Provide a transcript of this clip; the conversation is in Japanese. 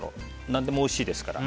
何でもおいしいですから。